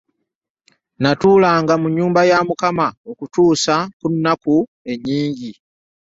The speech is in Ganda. Natuulaanga mu nnyumba ya Mukama okutuusa ku nnaku ennyingi.